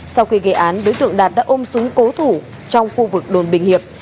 sau khi gây án đối tượng đạt đã ôm súng cố thủ trong khu vực đồn bình hiệp